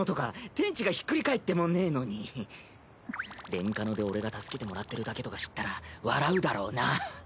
レンカノで俺が助けてもらってるだけとか知ったら笑うだろうな。